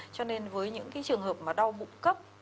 cho nên với những cái trường hợp mà đau bụng cấp